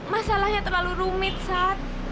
masalahnya terlalu rumit sat